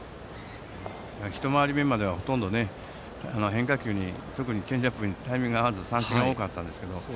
一回り目まではほとんど変化球特にチェンジアップにタイミングが合わずに三振が多かったんですけど。